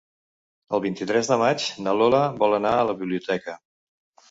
El vint-i-tres de maig na Lola vol anar a la biblioteca.